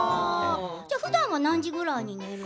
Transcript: じゃあ、ふだんは何時ぐらいに寝るの？